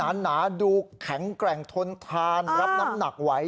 หนาดูแข็งแกร่งทนทานรับน้ำหนักไหว